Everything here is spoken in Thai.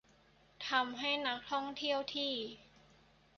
ทำให้นักท่องเที่ยวที่